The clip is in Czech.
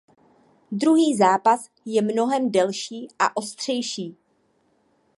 Druhý zápas je mnohem delší a ostřejší.